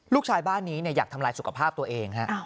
ลูกชายบ้านนี้อยากทำลายสุขภาพตัวเอง